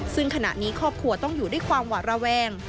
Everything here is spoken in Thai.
ซึ่งขณะนี้ครอบครัวต้องอยู่ด้วยความหวาดระแวง